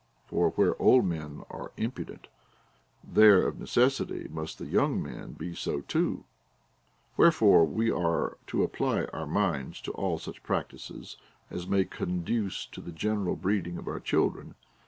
For where old men are impudent, there of necessity must the young men be so too. AVherefore we are to apply our minds to all such practices as may conduce to the good breeding of our children.